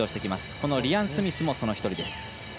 このリアン・スミスもその１人です。